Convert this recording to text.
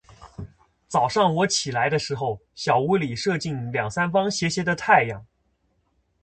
早上我起来的时候，小屋里射进两三方斜斜的太阳。